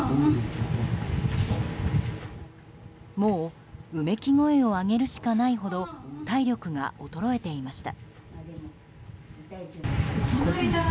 もううめき声を上げるしかないほど体力が衰えていました。